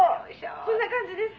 こんな感じですか？」